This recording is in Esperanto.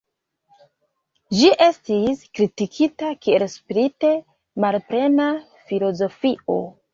Ĝi estis kritikita kiel spirite malplena filozofio.